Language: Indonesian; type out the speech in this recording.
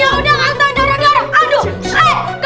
yaudah gak usah darah darah